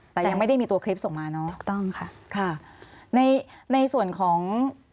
แต่ยังไม่ได้มีตัวคลิปส่งมาเนอะค่ะในส่วนของ